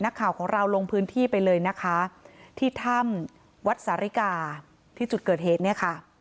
นักข่าวของเราลงพื้นที่ไปเลยนะคะที่ถ้ำวัดสาริกาที่จุดเกิดเหตุเนี่ยค่ะ